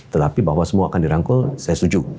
tetapi bahwa semua akan dirangkul saya setuju